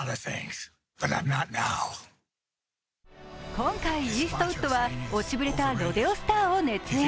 今回、イーストウッドは落ちぶれたロデオスターを熱演。